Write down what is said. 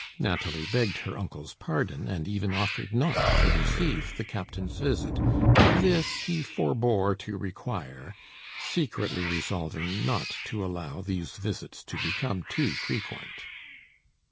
Nathalie begged her uncle's pardon, and even offered not to receive the captain's visit; but this he forbore to require secretly resolving not to allow these visits to become too frequent.